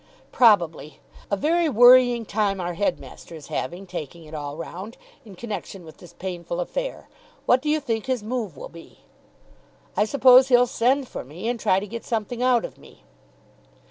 "Probably. A very worrying time our headmaster is having, taking it all round, in connection with this painful affair. What do you think his move will be?" "I suppose he'll send for me, and try to get something out of me."